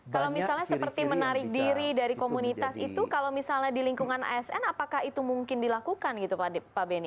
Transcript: kalau misalnya seperti menarik diri dari komunitas itu kalau misalnya di lingkungan asn apakah itu mungkin dilakukan gitu pak beni